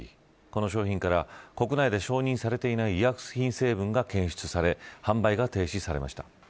この商品から国内で承認されていない医薬品成分が検出され販売が停止されました。